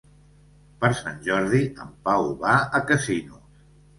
Per Sant Jordi en Pau va a Casinos.